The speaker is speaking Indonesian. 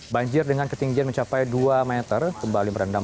banjir dengan ketinggian mencapai dua meter kembali merendam